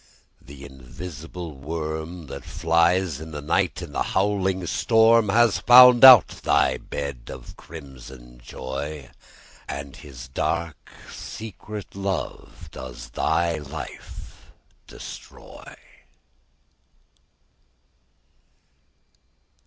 The invisible worm, That flies in the night, In the howling storm, Has found out thy bed Of crimson joy, And his dark secret love Does thy life destroy.